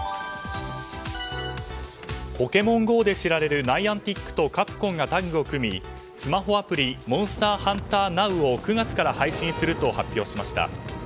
「ポケモンＧＯ」で知られるナイアンティックとカプコンがタッグを組みスマホアプリ「ＭｏｎｓｔｅｒＨｕｎｔｅｒＮｏｗ」を９月から配信すると発表しました。